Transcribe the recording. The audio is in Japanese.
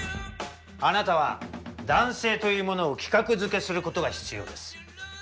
あなたは男性というものを規格づけすることが必要です。